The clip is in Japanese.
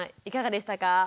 いかがでしたか？